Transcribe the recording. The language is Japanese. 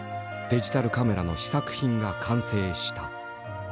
デジタルカメラの試作品が完成した。